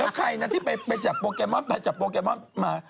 แล้วใครนะที่ไปจับโปเกมอนไปจับโปเกมอนมา